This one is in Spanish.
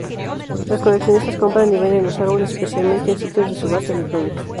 Los coleccionistas compran y venden los árboles, especialmente en sitios de subasta electrónica.